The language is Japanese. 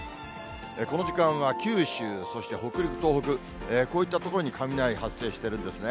この時間は九州、そして北陸、東北、こういった所に雷発生してるんですね。